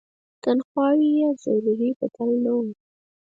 تنخواوې یې ضروري بدل نه وو.